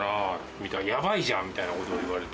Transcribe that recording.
みたいな、やばいじゃんみたいなこと言われて。